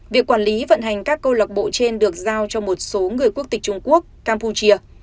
việc quản lý vận hành các câu lạc bộ trên được giao cho một số người quốc tịch trung quốc campuchia